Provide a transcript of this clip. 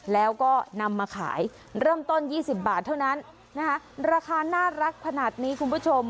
แล้วก็นำมาขายเริ่มต้น๒๐บาทเท่านั้นนะคะราคาน่ารักขนาดนี้คุณผู้ชม